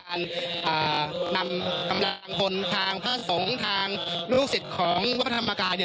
นำกำลังพลทางพระสงฆ์ทางลูกศิษย์ของวัดพระธรรมกาย